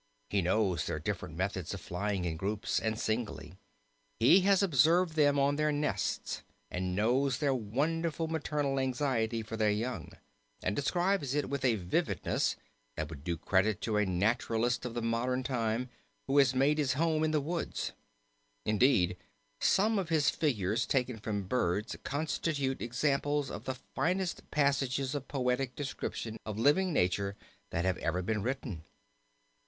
He knows their different methods of flying in groups and singly, he has observed them on their nests and knows their wonderful maternal anxiety for their young, and describes it with a vividness that would do credit to a naturalist of the modern time who had made his home in the woods. Indeed some of his figures taken from birds constitute examples of the finest passages of poetic description of living nature that have ever been written.